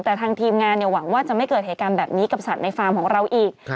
แต่ทางทีมงานหวังว่าจะไม่เกิดเหตุการณ์แบบนี้กับสัตว์ในฟาร์มของเราอีก